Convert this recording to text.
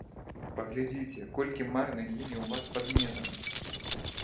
Паглядзіце, колькі марна гіне ў вас пад межамі!